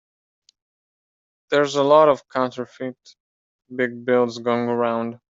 There's a lot of counterfeit big bills going around.